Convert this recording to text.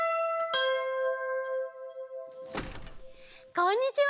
こんにちは！